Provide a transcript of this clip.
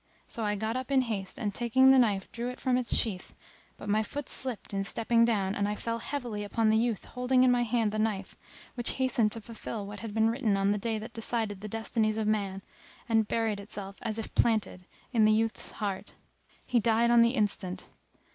So I got up in haste and taking the knife drew it from its sheath; but my foot slipped in stepping down and I fell heavily upon the youth holding in my hand the knife which hastened to fulfil what had been written on the Day that decided the destinies of man, and buried itself, as if planted, in the youth's heart. He died on the instant.